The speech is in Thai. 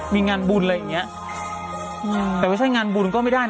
มีงานบุญอะไรแบบนี้แต่ว่าใช่งานบุญก็ไม่ได้นะ